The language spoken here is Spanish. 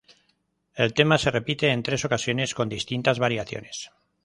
El tema se repite en tres ocasiones con distintas variaciones.